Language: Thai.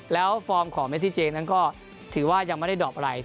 แล้วฟอร์มของเมซิเจนั้นก็ถือว่ายังไม่ได้ดอบอะไร